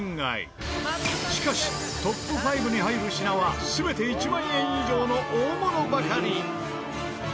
しかしトップ５に入る品は全て１万円以上の大物ばかり。